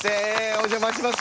お邪魔します